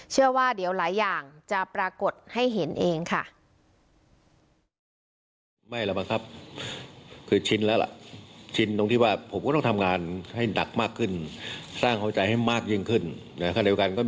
เชื่อว่าเดี๋ยวหลายอย่างจะปรากฏให้เห็นเองค่ะ